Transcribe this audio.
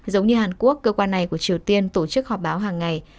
giống như hàn quốc cơ quan này của triều tiên tổ chức họp báo hàng ngày